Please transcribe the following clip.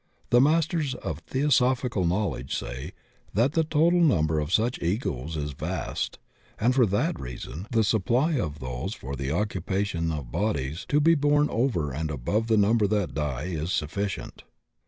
The Masters of theosophical knowledge say that flie total number of such egos is vast, and for that reason the supply of those for the occupation of bodies to be bom over and above the number that die is suflScient.